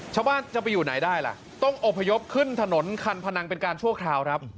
ชาวบ้านจะไปอยู่ไหนได้ล่ะต้องอบพยพขึ้นถนนคันพนังเป็นการชั่วคราวครับ